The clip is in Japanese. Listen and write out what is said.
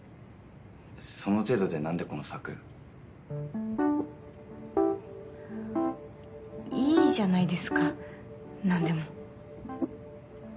その程度でなんでこのサークル？いいじゃないですかなんでも。